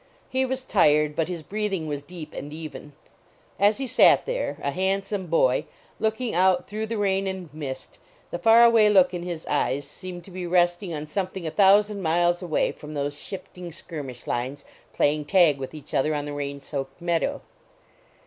He was tired, but his breathing was deep and even. As he sat there, a handsome boy, looking dlit through the rain and mist, the far away look in his eyes seemed to be resting on something a thousand miles away from those shifting skirmish lines playing tag with each other on the rain soaked meadow.